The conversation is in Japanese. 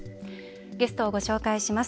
ゲストをご紹介します。